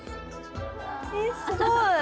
すごい！